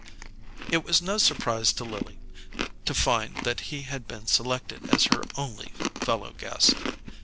It was no surprise to Lily to find that he had been selected as her only fellow guest.